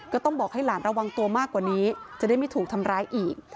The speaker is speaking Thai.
ก็ต้องบอกให้หลานระวังตัวมากกว่านี้จะได้ไม่ถูกทำร้ายอีก